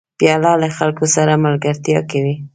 پیاله له خلکو سره ملګرتیا کوي.